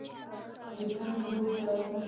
ليکنه دوه پړاوونه لري.